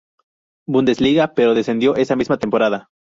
Bundesliga, pero descendió esa misma temporada.